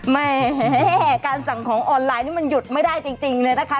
แหมการสั่งของออนไลน์นี่มันหยุดไม่ได้จริงเลยนะคะ